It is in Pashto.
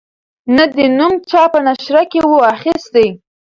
نه دي نوم چا په نشره کی وو اخیستی